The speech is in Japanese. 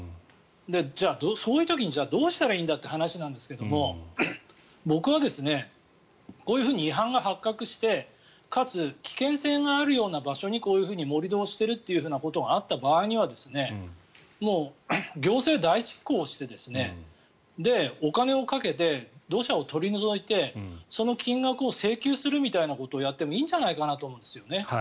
じゃあ、そういう時にどうしたらいいんだという話ですが僕はこういうふうに違反が発覚してかつ危険性があるような場所にこういうふうに盛り土をしているということがあった場合にもう行政代執行をしてお金をかけて土砂を取り除いてその金額を請求するみたいなことをやってもいいんじゃないかなと思うんですよね。